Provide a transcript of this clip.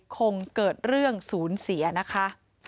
คงเกิดเรื่องศูนย์เสียนะคะ